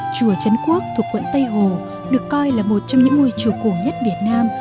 chùa trấn quốc thuộc quận tây hồ được coi là một trong những ngôi chùa cổ nhất việt nam